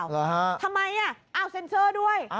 ทำไมอ้าวเซ็นเซอร์ด้วย